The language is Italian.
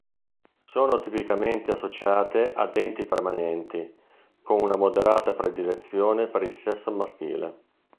Sono tipicamente associate a denti permanenti, con una moderata predilezione per il sesso maschile.